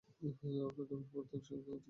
আপনার নামের প্রথমাংশ কি?